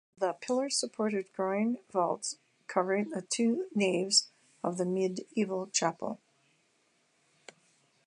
The pillars supported groin vaults covering the two naves of the medieval chapel.